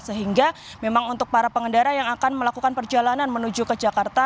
sehingga memang untuk para pengendara yang akan melakukan perjalanan menuju ke jakarta